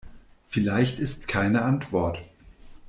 Vielleicht ist keine Antwort.